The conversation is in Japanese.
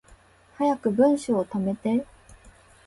早く文章溜めて